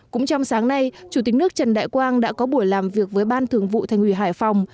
cũng trong sáng nay chủ tịch nước trần đại quang đã có buổi làm việc với ban thường vụ thành ủy hải phòng